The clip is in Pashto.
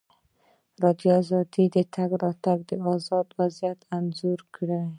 ازادي راډیو د د تګ راتګ ازادي وضعیت انځور کړی.